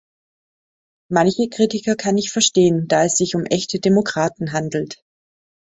Manche Kritiker kann ich verstehen, da es sich um echte Demokraten handelt.